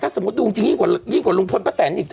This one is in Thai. ก็สมมุติดูจริงยิ่งกว่าลุงพลพระแตนอีกเถอะ